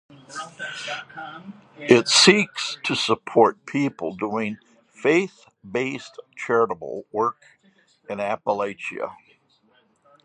It seeks to support people doing faith-based charitable work in Appalachia.